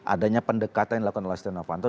adanya pendekatan yang dilakukan oleh setia novanto